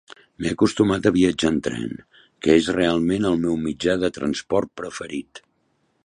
M'he acostumat a viatjar en tren, que és realment el meu mitjà de transport preferit.